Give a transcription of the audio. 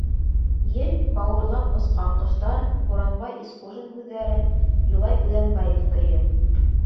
Ел бауырлап осҡан ҡоштар Буранбай Исҡужин һүҙҙәре, Юлай Үҙәнбаев көйө.